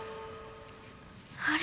あれ？